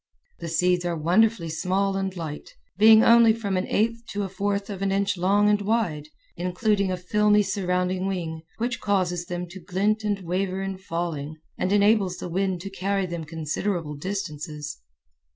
The seeds are wonderfully small end light, being only from an eighth to a fourth of an inch long and wide, including a filmy surrounding wing, which causes them to glint and waver in falling and enables the wind to carry them considerable distances.